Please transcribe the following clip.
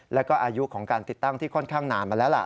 แล้วก็อายุของการติดตั้งที่ค่อนข้างนานมาแล้วล่ะ